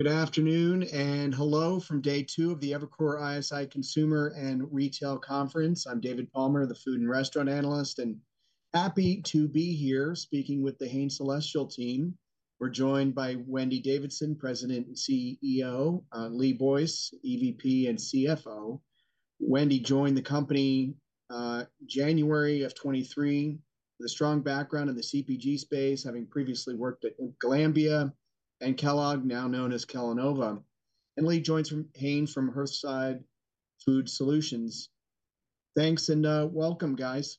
Good afternoon, and hello from day two of the Evercore ISI Consumer and Retail Conference. I'm David Palmer, the food and restaurant analyst, and happy to be here speaking with the Hain Celestial team. We're joined by Wendy Davidson, President and CEO, Lee Boyce, EVP and CFO. Wendy joined the company, January of 2023, with a strong background in the CPG space, having previously worked at Glanbia and Kellogg, now known as Kellanova. And Lee joins Hain from Hearthside Food Solutions. Thanks, and welcome, guys.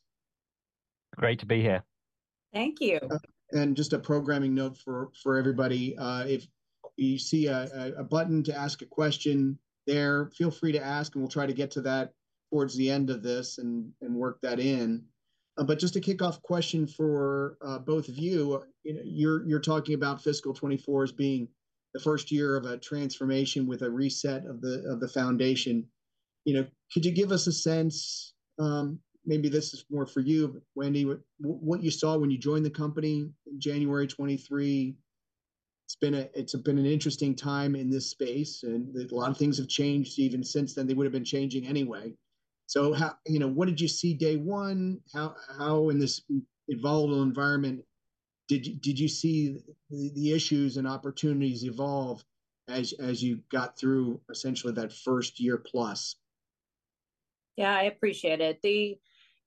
Great to be here. Thank you. And just a programming note for everybody, if you see a button to ask a question there, feel free to ask, and we'll try to get to that towards the end of this and work that in. But just a kickoff question for both of you. You know, you're talking about fiscal 2024 as being the first year of a transformation with a reset of the foundation. You know, could you give us a sense, maybe this is more for you, Wendy, what you saw when you joined the company in January 2023? It's been an interesting time in this space, and a lot of things have changed even since then. They would've been changing anyway. So, you know, what did you see day one? How in this volatile environment did you see the issues and opportunities evolve as you got through essentially that first year plus? Yeah, I appreciate it. You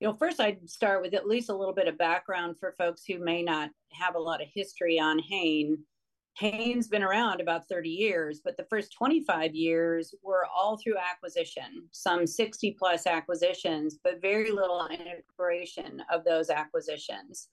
know, first I'd start with at least a little bit of background for folks who may not have a lot of history on Hain. Hain's been around about 30 years, but the first 25 years were all through acquisition, some 60+ acquisitions, but very little integration of those acquisitions.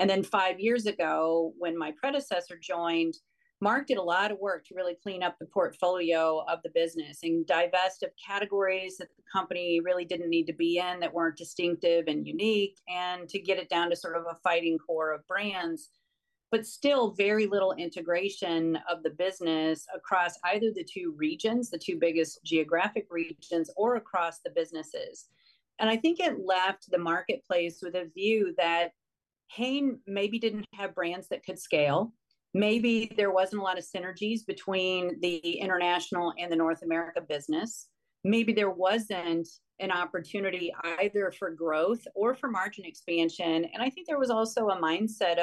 And then 5 years ago, when my predecessor joined, Mark did a lot of work to really clean up the portfolio of the business and divest of categories that the company really didn't need to be in, that weren't distinctive and unique, and to get it down to sort of a fighting core of brands. But still, very little integration of the business across either the two regions, the two biggest geographic regions, or across the businesses. And I think it left the marketplace with a view that Hain maybe didn't have brands that could scale. Maybe there wasn't a lot of synergies between the international and the North America business. Maybe there wasn't an opportunity either for growth or for margin expansion. And I think there was also a mindset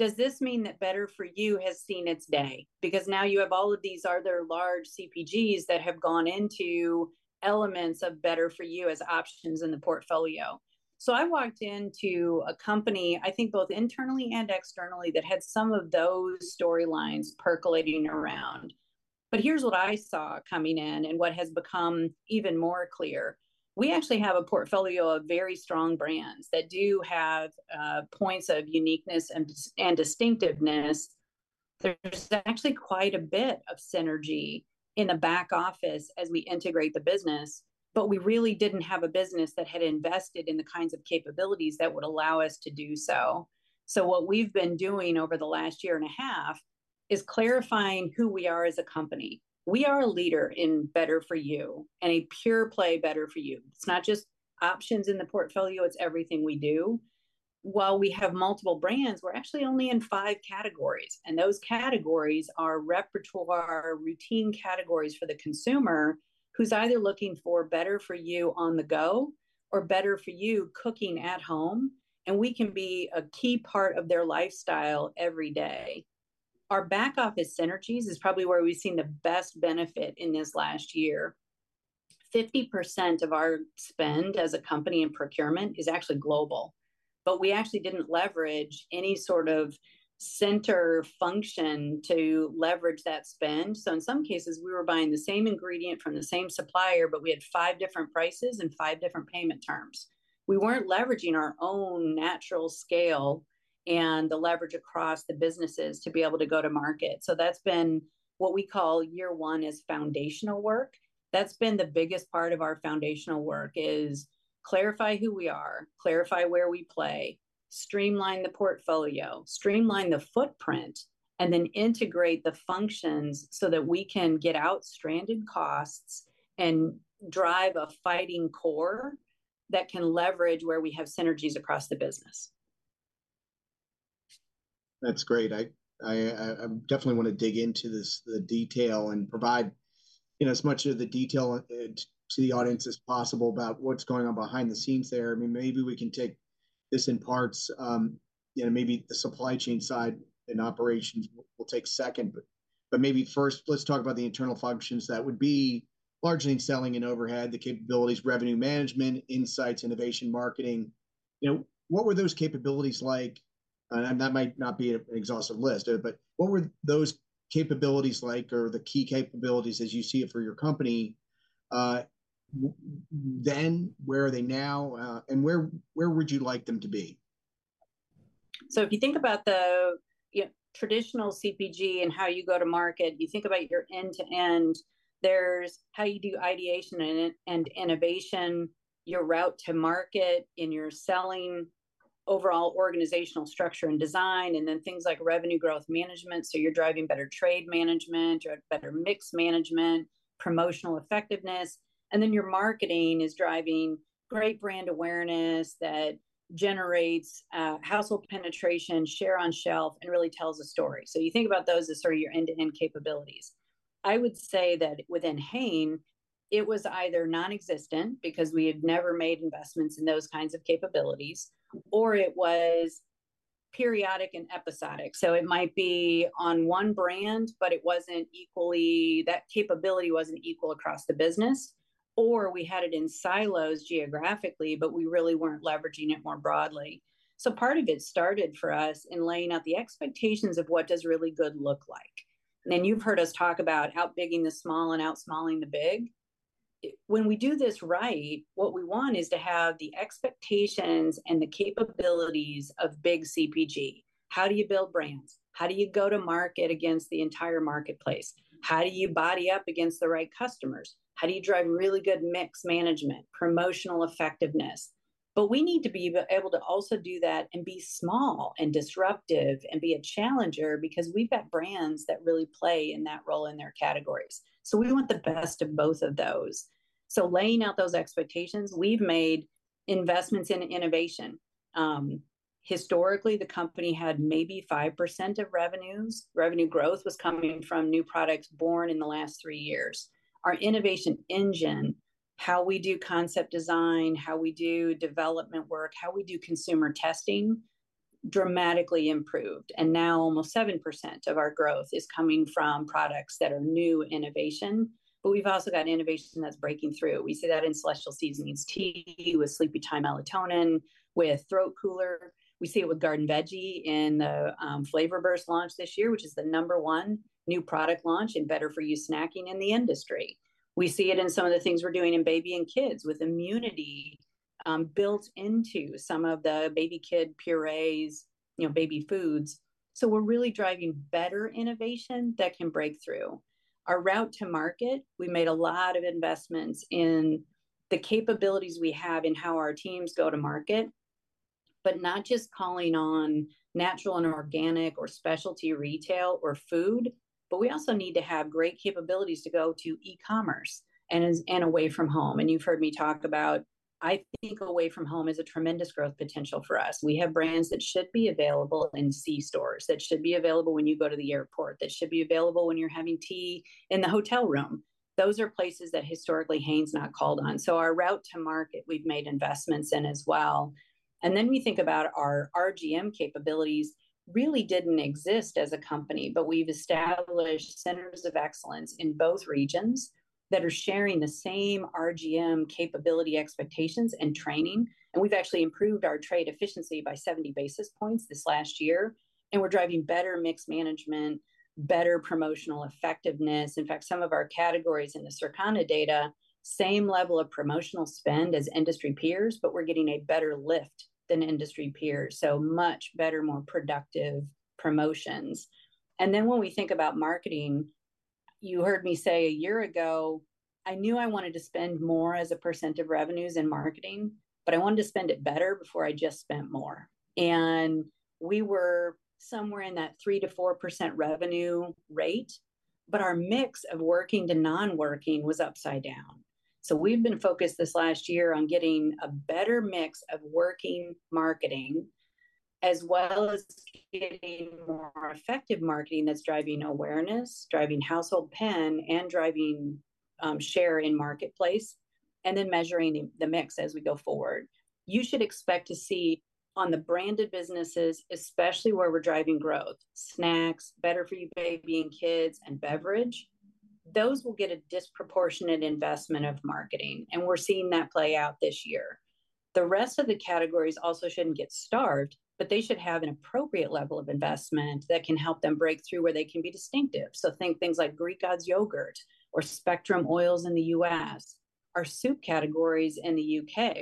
of, does this mean that better for you has seen its day? Because now you have all of these other large CPGs that have gone into elements of better for you as options in the portfolio. So I walked into a company, I think both internally and externally, that had some of those storylines percolating around. But here's what I saw coming in, and what has become even more clear: we actually have a portfolio of very strong brands that do have points of uniqueness and distinctiveness. There's actually quite a bit of synergy in the back office as we integrate the business, but we really didn't have a business that had invested in the kinds of capabilities that would allow us to do so. So what we've been doing over the last year and a half is clarifying who we are as a company. We are a leader in better for you, and a pure play better for you. It's not just options in the portfolio, it's everything we do. While we have multiple brands, we're actually only in five categories, and those categories are repertoire, routine categories for the consumer, who's either looking for better for you on the go or better for you cooking at home, and we can be a key part of their lifestyle every day. Our back office synergies is probably where we've seen the best benefit in this last year. 50% of our spend as a company in procurement is actually global, but we actually didn't leverage any sort of center function to leverage that spend. So in some cases, we were buying the same ingredient from the same supplier, but we had five different prices and five different payment terms. We weren't leveraging our own natural scale and the leverage across the businesses to be able to go to market. So that's been what we call year one is foundational work. That's been the biggest part of our foundational work, is clarify who we are, clarify where we play, streamline the portfolio, streamline the footprint, and then integrate the functions so that we can get out stranded costs and drive a fighting core that can leverage where we have synergies across the business. That's great. I definitely wanna dig into this, the detail, and provide, you know, as much of the detail to the audience as possible about what's going on behind the scenes there. I mean, maybe we can take this in parts. You know, maybe the supply chain side and operations we'll take second, but maybe first, let's talk about the internal functions. That would be largely in selling and overhead, the capabilities, revenue management, insights, innovation, marketing. You know, what were those capabilities like? And that might not be an exhaustive list, but what were those capabilities like, or the key capabilities as you see it for your company, then, where are they now, and where would you like them to be? So if you think about the, you know, traditional CPG and how you go to market, you think about your end-to-end, there's how you do ideation and innovation, your route to market, and your selling, overall organizational structure and design, and then things like revenue growth management, so you're driving better trade management, you're driving better mix management, promotional effectiveness. And then your marketing is driving great brand awareness that generates household penetration, share on shelf, and really tells a story. So you think about those as sort of your end-to-end capabilities. I would say that within Hain it was either nonexistent because we had never made investments in those kinds of capabilities, or it was periodic and episodic. So it might be on one brand, but it wasn't equally that capability wasn't equal across the business. Or we had it in silos geographically, but we really weren't leveraging it more broadly. So part of it started for us in laying out the expectations of what does really good look like. And then you've heard us talk about out-bigging the small and out-smalling the big. It, when we do this right, what we want is to have the expectations and the capabilities of big CPG. How do you build brands? How do you go to market against the entire marketplace? How do you body up against the right customers? How do you drive really good mix management, promotional effectiveness? But we need to be able to also do that and be small, and disruptive, and be a challenger because we've got brands that really play in that role in their categories. So we want the best of both of those. So laying out those expectations, we've made investments in innovation. Historically, the company had maybe 5% of revenues. Revenue growth was coming from new products born in the last three years. Our innovation engine, how we do concept design, how we do development work, how we do consumer testing, dramatically improved, and now almost 7% of our growth is coming from products that are new innovation. But we've also got innovation that's breaking through. We see that in Celestial Seasonings Tea, with Sleepytime Melatonin, with Throat Cooler. We see it with Garden Veggie in the Flavor Burst launch this year, which is the number one new product launch in better-for-you snacking in the industry. We see it in some of the things we're doing in baby and kids, with immunity built into some of the baby kid purees, you know, baby foods. So we're really driving better innovation that can break through. Our route to market, we made a lot of investments in the capabilities we have in how our teams go to market, but not just calling on natural and organic or specialty retail or food, but we also need to have great capabilities to go to e-commerce and as, and away from home. You've heard me talk about, I think away from home is a tremendous growth potential for us. We have brands that should be available in C-stores, that should be available when you go to the airport, that should be available when you're having tea in the hotel room. Those are places that historically Hain's not called on. Our route to market, we've made investments in as well. Then we think about our RGM capabilities really didn't exist as a company, but we've established centers of excellence in both regions that are sharing the same RGM capability, expectations, and training, and we've actually improved our trade efficiency by 70 basis points this last year. We're driving better mix management, better promotional effectiveness. In fact, some of our categories in the Circana data, same level of promotional spend as industry peers, but we're getting a better lift than industry peers, so much better, more productive promotions. Then when we think about marketing, you heard me say a year ago, I knew I wanted to spend more as a % of revenues in marketing, but I wanted to spend it better before I just spent more. We were somewhere in that 3%-4% revenue rate, but our mix of working to non-working was upside down. So we've been focused this last year on getting a better mix of working marketing, as well as getting more effective marketing that's driving awareness, driving household pen, and driving share in marketplace, and then measuring the mix as we go forward. You should expect to see on the branded businesses, especially where we're driving growth, snacks, better for you baby and kids, and beverage, those will get a disproportionate investment of marketing, and we're seeing that play out this year. The rest of the categories also shouldn't get starved, but they should have an appropriate level of investment that can help them break through where they can be distinctive. So think things like Greek Gods yogurt or Spectrum oils in the U.S. Our soup categories in the UK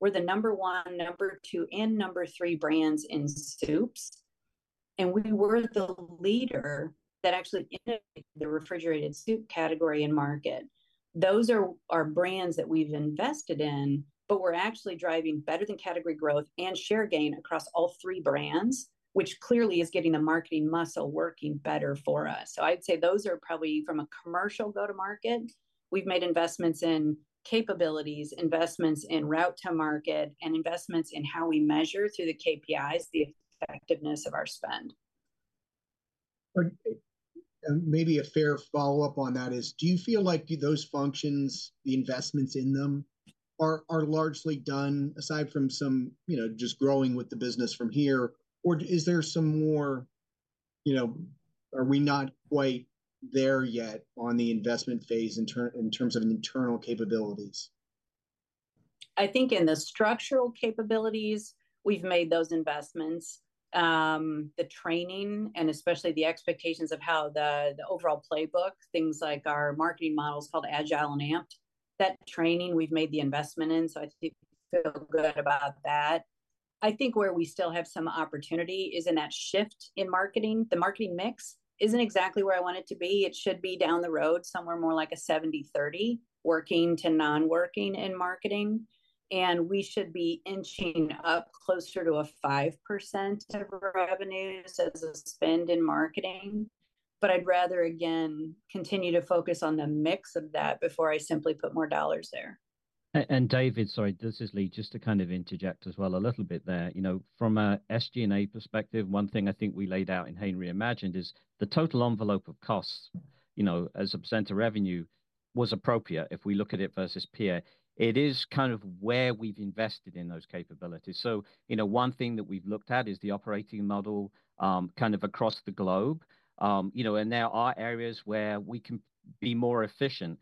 were the number 1, number 2, and number 3 brands in soups, and we were the leader that actually entered the refrigerated soup category and market. Those are our brands that we've invested in, but we're actually driving better than category growth and share gain across all three brands, which clearly is getting the marketing muscle working better for us. So I'd say those are probably from a commercial go-to-market. We've made investments in capabilities, investments in route to market, and investments in how we measure through the KPIs, the effectiveness of our spend. But, maybe a fair follow-up on that is, do you feel like those functions, the investments in them, are largely done, aside from some, you know, just growing with the business from here? Or is there some more... You know, are we not quite there yet on the investment phase in terms of internal capabilities? I think in the structural capabilities, we've made those investments. The training and especially the expectations of how the, the overall playbook, things like our marketing model is called Agile and Amped, that training we've made the investment in, so I feel good about that. I think where we still have some opportunity is in that shift in marketing. The marketing mix isn't exactly where I want it to be. It should be down the road, somewhere more like a 70/30, working to non-working in marketing, and we should be inching up closer to 5% of revenue as a spend in marketing. But I'd rather, again, continue to focus on the mix of that before I simply put more dollars there.... and David, sorry, this is Lee, just to kind of interject as well a little bit there. You know, from a SG&A perspective, one thing I think we laid out in Hain Reimagined is the total envelope of costs, you know, as a % of revenue, was appropriate if we look at it versus peer. It is kind of where we've invested in those capabilities. So, you know, one thing that we've looked at is the operating model, kind of across the globe. You know, and there are areas where we can be more efficient.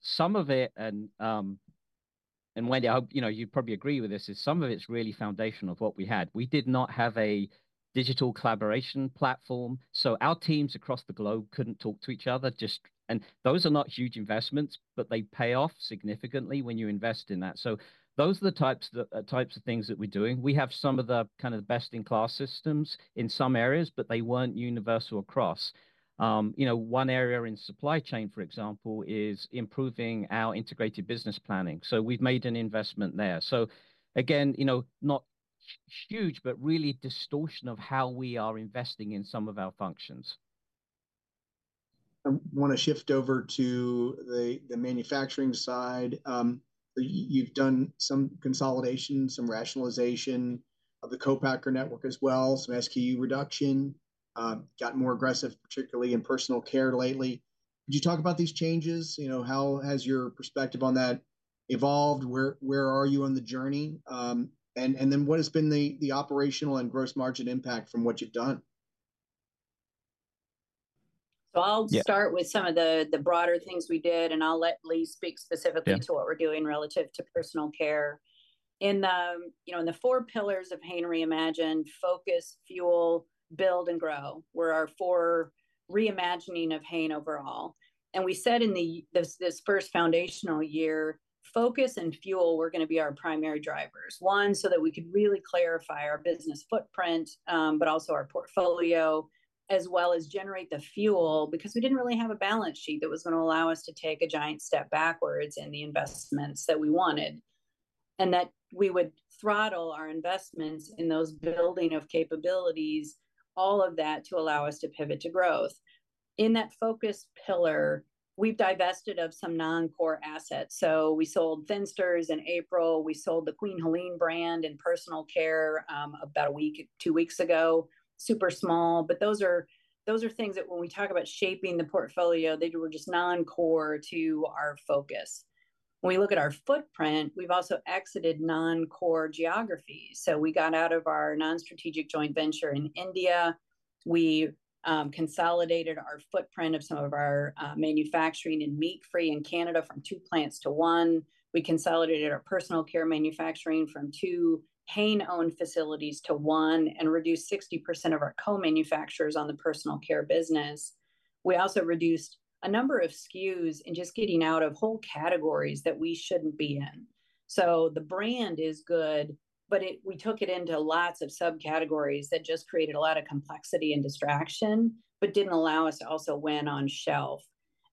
Some of it, and, and Wendy, I hope, you know, you'd probably agree with this, is some of it's really foundational to what we had. We did not have a digital collaboration platform, so our teams across the globe couldn't talk to each other, just... And those are not huge investments, but they pay off significantly when you invest in that. So those are the types of things that we're doing. We have some of the kind of best-in-class systems in some areas, but they weren't universal across. You know, one area in supply chain, for example, is improving our integrated business planning, so we've made an investment there. So again, you know, not huge, but really distortion of how we are investing in some of our functions. I wanna shift over to the manufacturing side. You've done some consolidation, some rationalization of the co-packer network as well, some SKU reduction, got more aggressive, particularly in personal care lately. Could you talk about these changes? You know, how has your perspective on that evolved? Where are you on the journey? And then what has been the operational and gross margin impact from what you've done? So I'll- Yeah... start with some of the broader things we did, and I'll let Lee speak specifically- Yeah... to what we're doing relative to personal care. In the, you know, in the four pillars of Hain Reimagined: focus, fuel, build and grow, were our four reimagining of Hain overall. And we said in this first foundational year, focus and fuel were gonna be our primary drivers. One, so that we could really clarify our business footprint, but also our portfolio, as well as generate the fuel, because we didn't really have a balance sheet that was gonna allow us to take a giant step backwards in the investments that we wanted, and that we would throttle our investments in those building of capabilities, all of that, to allow us to pivot to growth. In that focus pillar, we've divested of some non-core assets. So we sold Thinsters in April. We sold the Queen Helene brand in personal care, about a week, two weeks ago. Super small, but those are, those are things that when we talk about shaping the portfolio, they were just non-core to our focus. When we look at our footprint, we've also exited non-core geographies. So we got out of our non-strategic joint venture in India. We consolidated our footprint of some of our manufacturing in meat-free in Canada from two plants to one. We consolidated our personal care manufacturing from two Hain-owned facilities to one, and reduced 60% of our co-manufacturers on the personal care business. We also reduced a number of SKUs in just getting out of whole categories that we shouldn't be in. So the brand is good, but we took it into lots of subcategories that just created a lot of complexity and distraction, but didn't allow us to also win on shelf.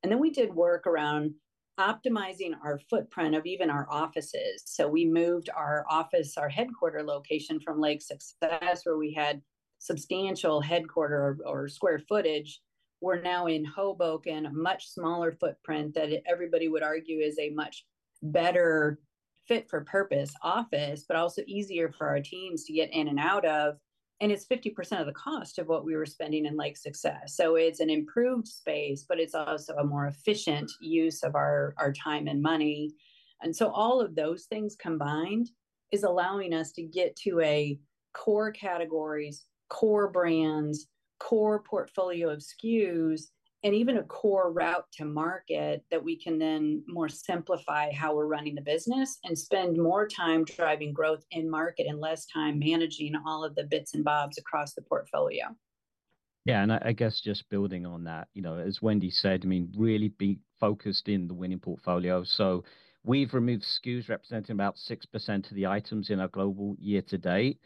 Then we did work around optimizing our footprint of even our offices. So we moved our office, our headquarters location, from Lake Success, where we had substantial headquarters or square footage. We're now in Hoboken, a much smaller footprint that everybody would argue is a much better fit-for-purpose office, but also easier for our teams to get in and out of, and it's 50% of the cost of what we were spending in Lake Success. So it's an improved space, but it's also a more efficient use of our time and money. And so all of those things combined is allowing us to get to a core categories, core brands, core portfolio of SKUs, and even a core route to market, that we can then more simplify how we're running the business and spend more time driving growth in market and less time managing all of the bits and bobs across the portfolio. Yeah, and I guess just building on that, you know, as Wendy said, I mean, really being focused in the winning portfolio. So we've removed SKUs representing about 6% of the items in our global year to date.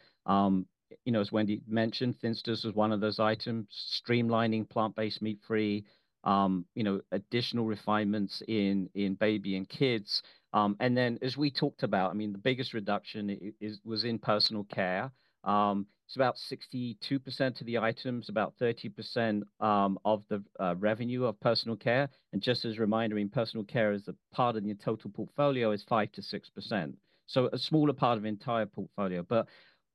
You know, as Wendy mentioned, Thinsters was one of those items. Streamlining plant-based meat-free, you know, additional refinements in baby and kids. And then as we talked about, I mean, the biggest reduction was in personal care. It's about 62% of the items, about 30% of the revenue of personal care. And just as a reminder, in personal care as a part of your total portfolio is 5%-6%, so a smaller part of entire portfolio. But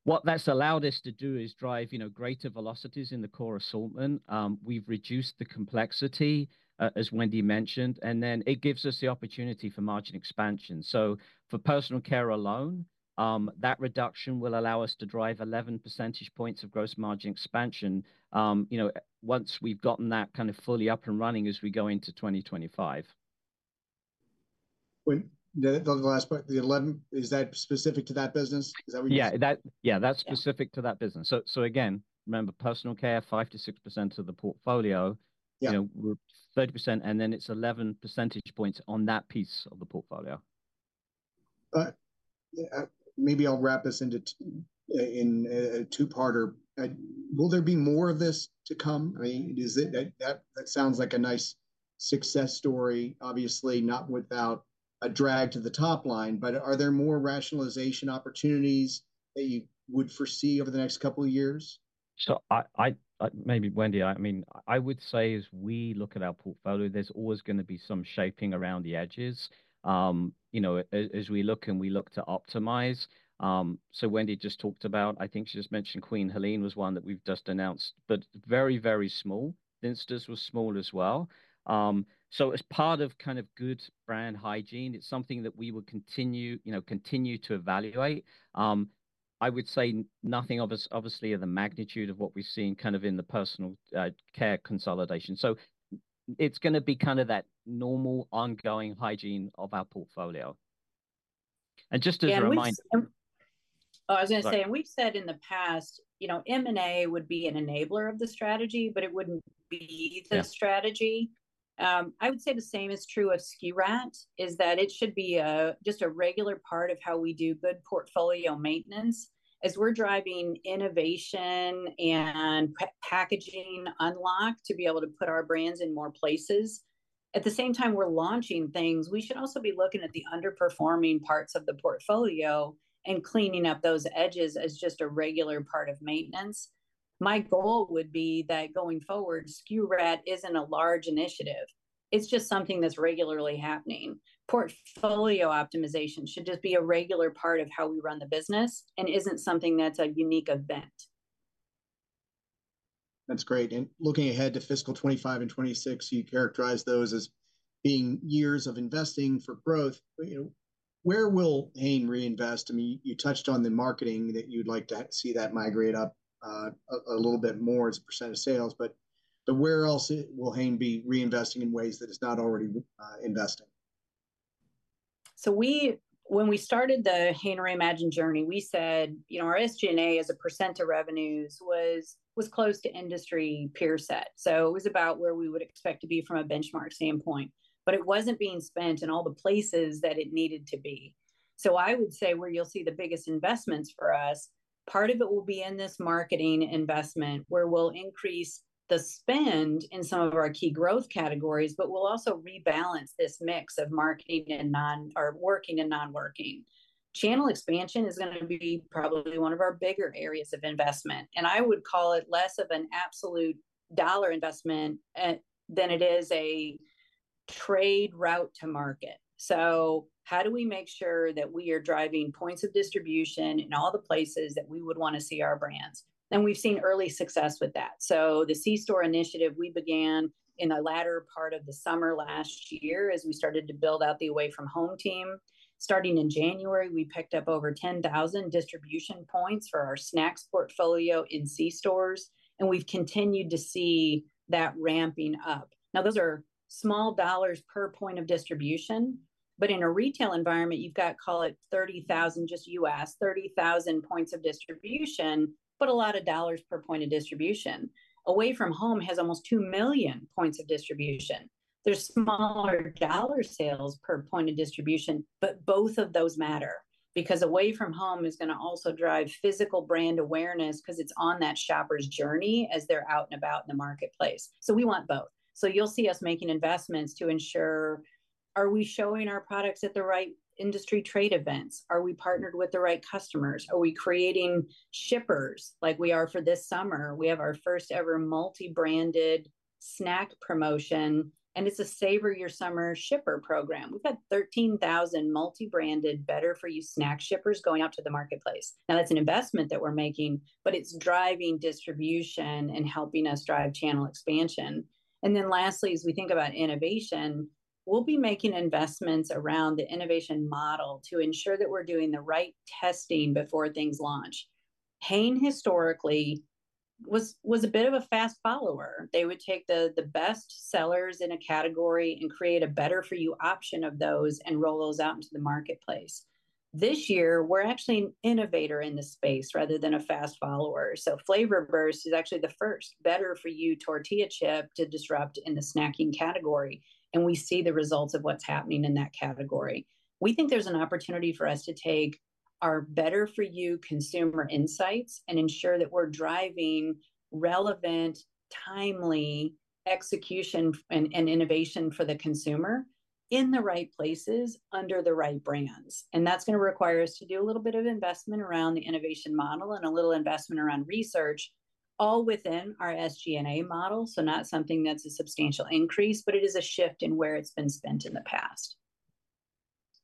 what that's allowed us to do is drive, you know, greater velocities in the core assortment. We've reduced the complexity, as Wendy mentioned, and then it gives us the opportunity for margin expansion. So for personal care alone, that reduction will allow us to drive 11 percentage points of gross margin expansion, you know, once we've gotten that kind of fully up and running as we go into 2025. The last part, the 11, is that specific to that business? Is that what you're saying? Yeah, that's- Yeah... specific to that business. So, so again, remember, personal care, 5%-6% of the portfolio. Yeah. You know, we're 30%, and then it's 11 percentage points on that piece of the portfolio. Maybe I'll wrap this into a two-parter. Will there be more of this to come? I mean, is it... That sounds like a nice success story. Obviously, not without a drag to the top line, but are there more rationalization opportunities that you would foresee over the next couple of years?... So maybe Wendy, I mean, I would say as we look at our portfolio, there's always gonna be some shaping around the edges, you know, as we look to optimize. So Wendy just talked about, I think she just mentioned Queen Helene was one that we've just announced, but very, very small. Thinsters was small as well. So as part of kind of good brand hygiene, it's something that we will continue, you know, continue to evaluate. I would say nothing as, obviously, of the magnitude of what we've seen kind of in the personal care consolidation. So it's gonna be kind of that normal, ongoing hygiene of our portfolio. And just as a reminder- Yeah, and we've... Oh, I was gonna say- Sorry... And we've said in the past, you know, M&A would be an enabler of the strategy, but it wouldn't be the strategy. Yeah. I would say the same is true of SKU rationalization, is that it should be just a regular part of how we do good portfolio maintenance. As we're driving innovation and packaging unlock to be able to put our brands in more places, at the same time we're launching things, we should also be looking at the underperforming parts of the portfolio and cleaning up those edges as just a regular part of maintenance. My goal would be that going forward, SKU rationalization isn't a large initiative, it's just something that's regularly happening. Portfolio optimization should just be a regular part of how we run the business, and isn't something that's a unique event. That's great. And looking ahead to fiscal 2025 and 2026, you characterize those as being years of investing for growth. But, you know, where will Hain reinvest? I mean, you touched on the marketing, that you'd like to see that migrate up a little bit more as a % of sales, but where else will Hain be reinvesting in ways that it's not already investing? So we, when we started the Hain Reimagined journey, we said, you know, our SG&A as a % of revenues was close to industry peer set. So it was about where we would expect to be from a benchmark standpoint, but it wasn't being spent in all the places that it needed to be. So I would say where you'll see the biggest investments for us, part of it will be in this marketing investment, where we'll increase the spend in some of our key growth categories, but we'll also rebalance this mix of marketing and non... or working and non-working. Channel expansion is gonna be probably one of our bigger areas of investment, and I would call it less of an absolute dollar investment than it is a trade route to market. So how do we make sure that we are driving points of distribution in all the places that we would wanna see our brands? And we've seen early success with that. So the C-store initiative we began in the latter part of the summer last year, as we started to build out the Away from Home team. Starting in January, we picked up over 10,000 distribution points for our snacks portfolio in C-stores, and we've continued to see that ramping up. Now, those are small dollars per point of distribution, but in a retail environment, you've got, call it 30,000, just U.S., 30,000 points of distribution, but a lot of dollars per point of distribution. Away from Home has almost 2 million points of distribution. They're smaller dollar sales per point of distribution, but both of those matter, because Away from Home is gonna also drive physical brand awareness, 'cause it's on that shopper's journey as they're out and about in the marketplace. So we want both. So you'll see us making investments to ensure, are we showing our products at the right industry trade events? Are we partnered with the right customers? Are we creating shippers, like we are for this summer? We have our first ever multi-branded snack promotion, and it's a Savor Your Summer shipper program. We've got 13,000 multi-branded, better-for-you snack shippers going out to the marketplace. Now, that's an investment that we're making, but it's driving distribution and helping us drive channel expansion. And then lastly, as we think about innovation, we'll be making investments around the innovation model to ensure that we're doing the right testing before things launch. Hain historically was a bit of a fast follower. They would take the best sellers in a category and create a better-for-you option of those, and roll those out into the marketplace. This year, we're actually an innovator in the space, rather than a fast follower. So Flavor Burst is actually the first better-for-you tortilla chip to disrupt in the snacking category, and we see the results of what's happening in that category. We think there's an opportunity for us to take our better-for-you consumer insights, and ensure that we're driving relevant, timely execution and innovation for the consumer in the right places, under the right brands. That's gonna require us to do a little bit of investment around the innovation model and a little investment around research, all within our SG&A model. Not something that's a substantial increase, but it is a shift in where it's been spent in the past.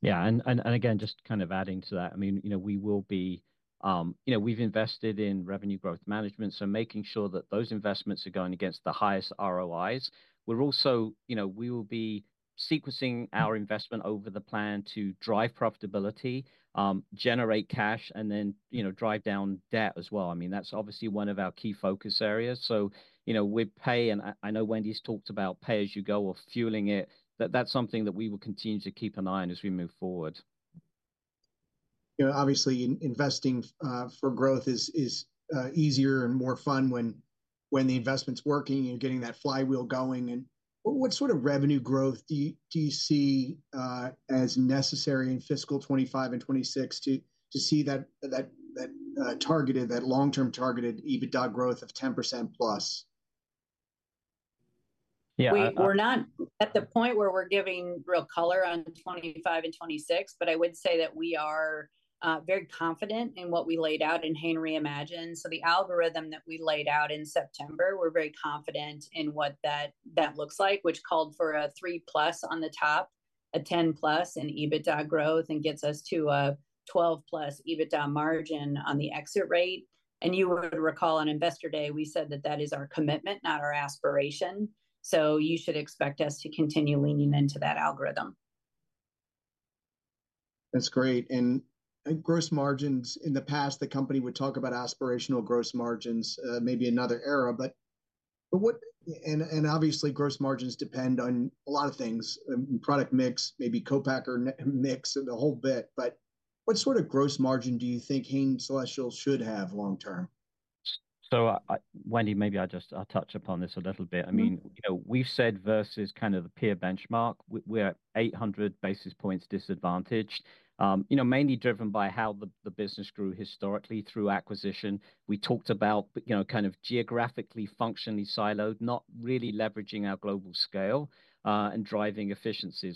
Yeah, and again, just kind of adding to that, I mean, you know, we will be. You know, we've invested in Revenue Growth Management, so making sure that those investments are going against the highest ROIs. We're also, you know, we will be sequencing our investment over the plan to drive profitability, generate cash, and then, you know, drive down debt as well. I mean, that's obviously one of our key focus areas. So, you know, with pay, and I know Wendy's talked about pay as you go or fueling it, that's something that we will continue to keep an eye on as we move forward. You know, obviously investing for growth is easier and more fun when the investment's working and getting that flywheel going. And what sort of revenue growth do you see as necessary in fiscal 2025 and 2026 to see that targeted long-term targeted EBITDA growth of 10%+?... we, we're not at the point where we're giving real color on 2025 and 2026, but I would say that we are very confident in what we laid out in Hain Reimagined. So the algorithm that we laid out in September, we're very confident in what that, that looks like, which called for a 3+ on the top, a 10+ in EBITDA growth, and gets us to a 12+ EBITDA margin on the exit rate. And you would recall on Investor Day, we said that that is our commitment, not our aspiration, so you should expect us to continue leaning into that algorithm. That's great. And gross margins, in the past, the company would talk about aspirational gross margins, maybe another era. But what... And obviously, gross margins depend on a lot of things, product mix, maybe co-packer mix, and a whole bit. But what sort of gross margin do you think Hain Celestial should have long term? So, Wendy, maybe I'll just touch upon this a little bit. Mm. I mean, you know, we've said versus kind of the peer benchmark, we're at 800 basis points disadvantaged. You know, mainly driven by how the business grew historically through acquisition. We talked about, you know, kind of geographically, functionally siloed, not really leveraging our global scale and driving efficiency.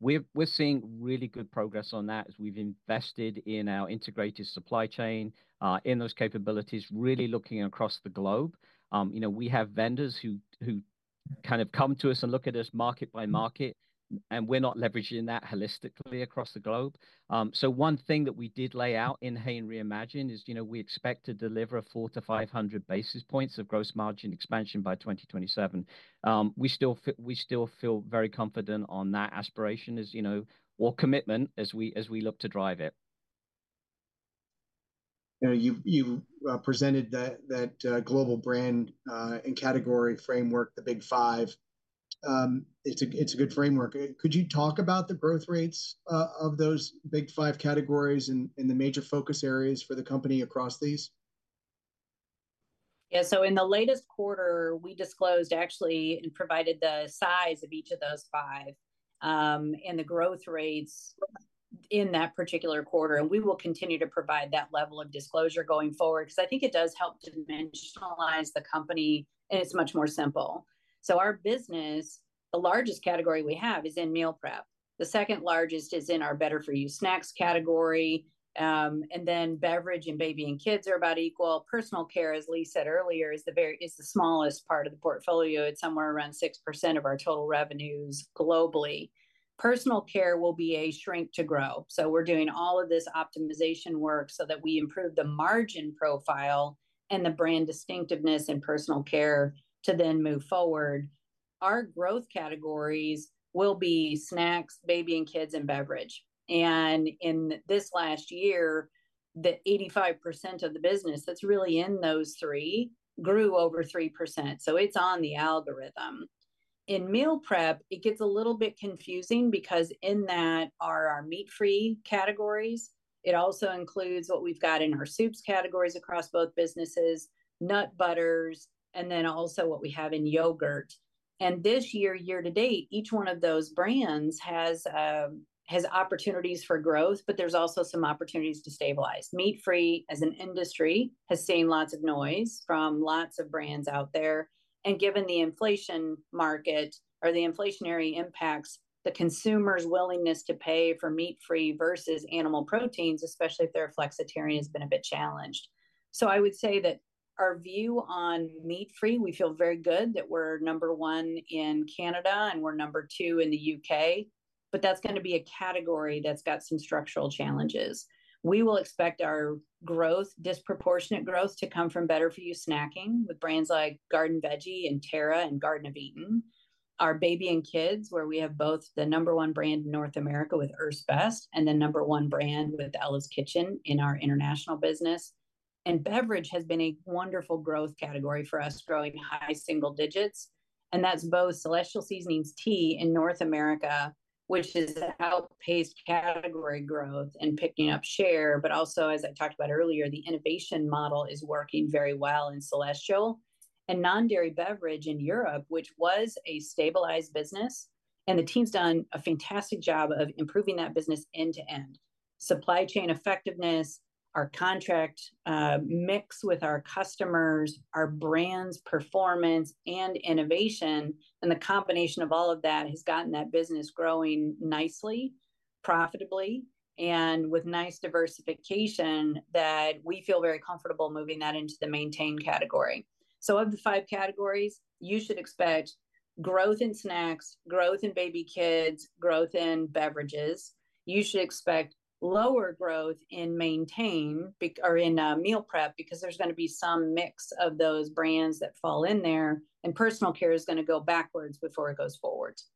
We're seeing really good progress on that as we've invested in our integrated supply chain, in those capabilities, really looking across the globe. You know, we have vendors who kind of come to us and look at us market by market, and we're not leveraging that holistically across the globe. So one thing that we did lay out in Hain Reimagined is, you know, we expect to deliver 400-500 basis points of gross margin expansion by 2027. We still feel very confident on that aspiration as you know, or commitment as we, as we look to drive it. You know, you presented that global brand and category framework, the Big Five. It's a good framework. Could you talk about the growth rates of those Big Five categories and the major focus areas for the company across these? Yeah, so in the latest quarter, we disclosed actually and provided the size of each of those five, and the growth rates in that particular quarter, and we will continue to provide that level of disclosure going forward, 'cause I think it does help dimensionalize the company, and it's much more simple. So our business, the largest category we have is in meal prep. The second largest is in our better for you snacks category, and then beverage and baby and kids are about equal. Personal care, as Lee said earlier, is the smallest part of the portfolio. It's somewhere around 6% of our total revenues globally. Personal care will be a shrink to grow, so we're doing all of this optimization work so that we improve the margin profile and the brand distinctiveness in personal care to then move forward. Our growth categories will be snacks, baby and kids, and beverage. In this last year, the 85% of the business that's really in those three grew over 3%, so it's on the algorithm. In meal prep, it gets a little bit confusing because in that are our meat-free categories. It also includes what we've got in our soups categories across both businesses, nut butters, and then also what we have in yogurt. This year, year to date, each one of those brands has opportunities for growth, but there's also some opportunities to stabilize. Meat-free, as an industry, has seen lots of noise from lots of brands out there, and given the inflation market or the inflationary impacts, the consumer's willingness to pay for meat-free versus animal proteins, especially if they're a flexitarian, has been a bit challenged. So I would say that our view on meat-free, we feel very good that we're number 1 in Canada, and we're number 2 in the UK, but that's gonna be a category that's got some structural challenges. We will expect our growth, disproportionate growth to come from better-for-you snacking with brands like Garden Veggie and Terra and Garden of Eatin'. Our baby and kids, where we have both the number 1 brand in North America with Earth's Best, and the number 1 brand with Ella's Kitchen in our international business. And beverage has been a wonderful growth category for us, growing high single digits, and that's both Celestial Seasonings Tea in North America, which is outpaced category growth and picking up share. But also, as I talked about earlier, the innovation model is working very well in Celestial. And non-dairy beverage in Europe, which was a stabilized business, and the team's done a fantastic job of improving that business end to end. Supply chain effectiveness, our contract mix with our customers, our brands' performance, and innovation, and the combination of all of that has gotten that business growing nicely, profitably, and with nice diversification that we feel very comfortable moving that into the maintain category. So of the five categories, you should expect growth in snacks, growth in baby kids, growth in beverages. You should expect lower growth in maintain or in meal prep, because there's gonna be some mix of those brands that fall in there, and personal care is gonna go backwards before it goes forwards.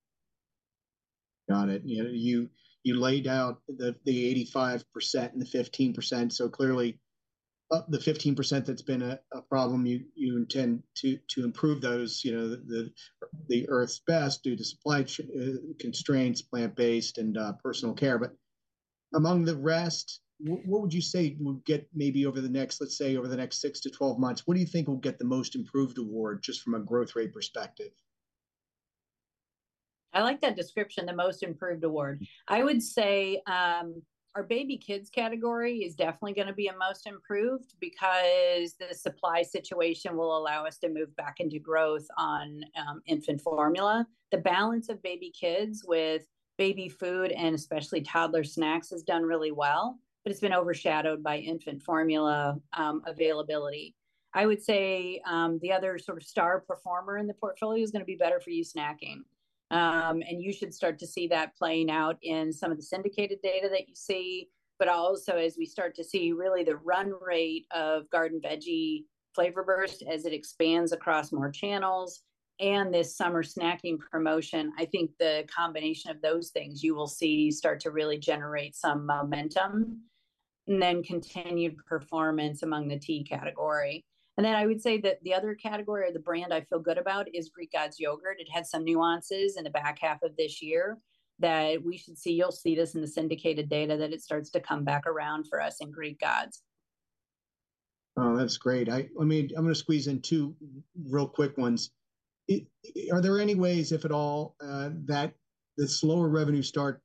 Got it. You know, you laid out the 85% and the 15%, so clearly, the 15% that's been a problem, you intend to improve those, you know, the Earth's Best due to supply constraints, plant-based, and personal care. But among the rest, what would you say would get maybe over the next, let's say, over the next six to 12 months, what do you think will get the most improved award, just from a growth rate perspective?... I like that description, the most improved award. I would say, our baby kids category is definitely gonna be a most improved, because the supply situation will allow us to move back into growth on, infant formula. The balance of baby kids with baby food, and especially toddler snacks, has done really well, but it's been overshadowed by infant formula, availability. I would say, the other sort of star performer in the portfolio is gonna be better for you snacking. And you should start to see that playing out in some of the syndicated data that you see, but also as we start to see really the run rate of Garden Veggie Flavor Burst as it expands across more channels, and this summer snacking promotion. I think the combination of those things you will see start to really generate some momentum, and then continued performance among the tea category. And then I would say that the other category or the brand I feel good about is Greek Gods yogurt. It has some nuances in the back half of this year that we should see... You'll see this in the syndicated data, that it starts to come back around for us in Greek Gods. Oh, that's great. Let me—I'm gonna squeeze in two real quick ones. Are there any ways, if at all, that the slower revenue start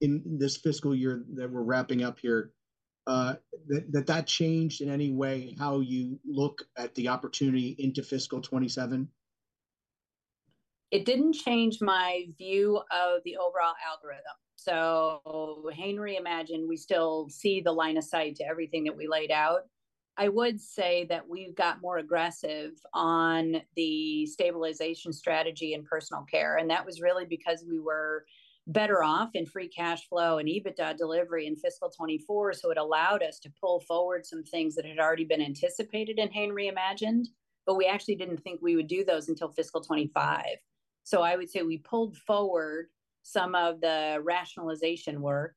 in this fiscal year that we're wrapping up here, that changed in any way how you look at the opportunity into fiscal 2027? It didn't change my view of the overall algorithm. So Hain Reimagined, we still see the line of sight to everything that we laid out. I would say that we've got more aggressive on the stabilization strategy in personal care, and that was really because we were better off in free cash flow and EBITDA delivery in fiscal 2024, so it allowed us to pull forward some things that had already been anticipated in Hain Reimagined, but we actually didn't think we would do those until fiscal 2025. So I would say we pulled forward some of the rationalization work.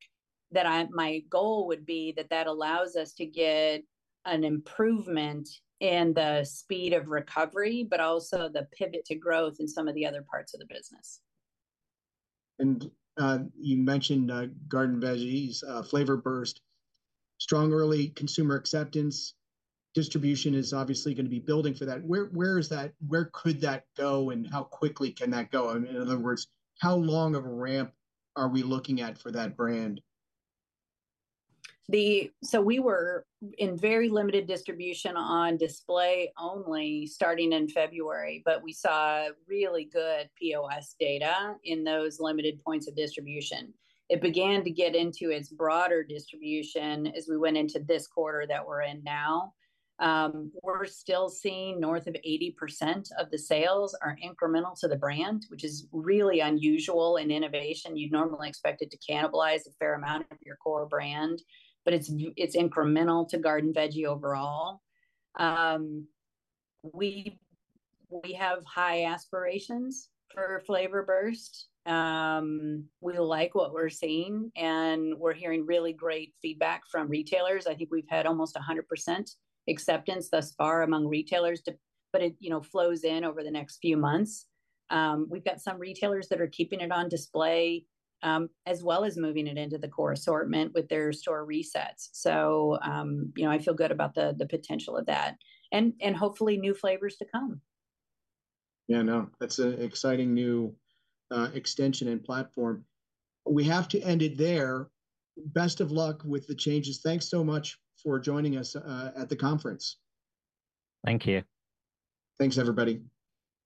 My goal would be that that allows us to get an improvement in the speed of recovery, but also the pivot to growth in some of the other parts of the business. You mentioned Garden Veggie Flavor Burst. Strong early consumer acceptance. Distribution is obviously gonna be building for that. Where, where is that—where could that go, and how quickly can that go? I mean, in other words, how long of a ramp are we looking at for that brand? So we were in very limited distribution on display only starting in February, but we saw really good POS data in those limited points of distribution. It began to get into its broader distribution as we went into this quarter that we're in now. We're still seeing north of 80% of the sales are incremental to the brand, which is really unusual in innovation. You'd normally expect it to cannibalize a fair amount of your core brand, but it's incremental to Garden Veggie overall. We have high aspirations for Flavor Burst. We like what we're seeing, and we're hearing really great feedback from retailers. I think we've had almost 100% acceptance thus far among retailers to... But it, you know, flows in over the next few months. We've got some retailers that are keeping it on display, as well as moving it into the core assortment with their store resets. So, you know, I feel good about the potential of that and hopefully new flavors to come. Yeah, no, that's an exciting new extension and platform. We have to end it there. Best of luck with the changes. Thanks so much for joining us at the conference. Thank you. Thanks, everybody.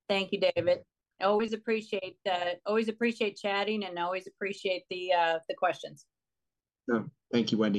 Thank you, David. I always appreciate the... always appreciate chatting, and I always appreciate the, the questions. Yeah. Thank you, Wendy.